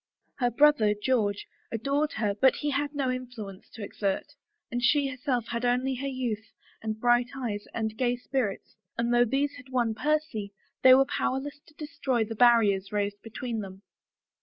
Her brother George adored her but he had no influence to exert — and she herself had only her youth and bright eyes and gay spirits, and ' though these had won Percy they were powerless to de stroy the barriers raised between them.